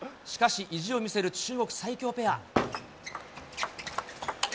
しかし、意地を見せる中国最強ペア。